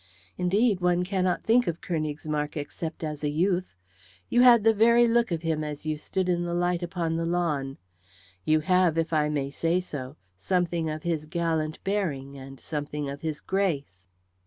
Indeed, one cannot think of Königsmarck except as a youth. You had the very look of him as you stood in the light upon the lawn. You have, if I may say so, something of his gallant bearing and something of his grace."